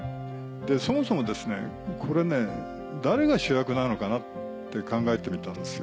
そもそもこれ誰が主役なのかなって考えてみたんですよ。